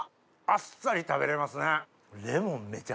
あっさり食べれますね。